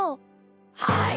はい。